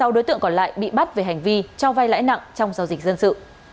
sáu đối tượng còn lại bị bắt về hành vi cho vay lãi nặng trong giao dịch dân sự